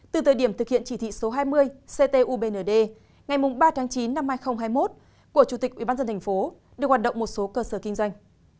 từ thời điểm thực hiện chỉ thị số hai mươi ctubnd ngày ba tháng chín năm hai nghìn hai mươi một của chủ tịch ubnd tp được hoạt động một số cơ sở kinh doanh